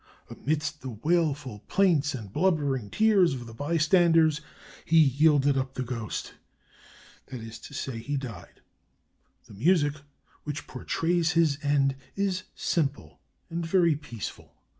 Amidst the wailful plaints and blubbering tears of the bystanders he yielded up the ghost that is to say, he died." The music which portrays his end is simple and very peaceful.